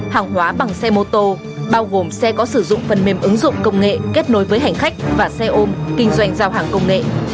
hàng hóa bằng xe mô tô bao gồm xe có sử dụng phần mềm ứng dụng công nghệ kết nối với hành khách và xe ôm kinh doanh giao hàng công nghệ